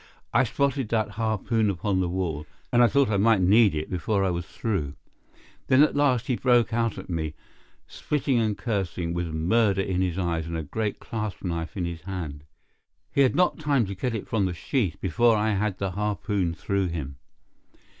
I spotted that harpoon upon the wall, and I thought I might need it before I was through. Then at last he broke out at me, spitting and cursing, with murder in his eyes and a great clasp knife in his hand. He had not time to get it from the sheath before I had the harpoon through him.